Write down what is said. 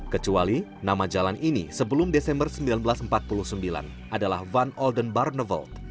kecuali nama jalan ini sebelum desember seribu sembilan ratus empat puluh sembilan adalah van olden barnevel